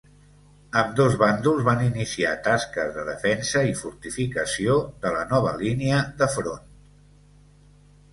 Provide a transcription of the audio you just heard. Ambdós bàndols van iniciar tasques de defensa i fortificació de la nova línia de front.